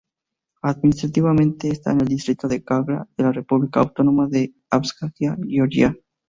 Administrativamente está en el distrito de Gagra de la república autónoma de Abjasia, Georgia.